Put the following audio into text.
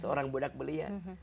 seorang budak belia